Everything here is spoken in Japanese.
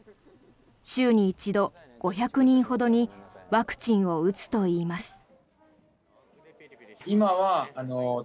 週に一度、５００人ほどにワクチンを打つといいます。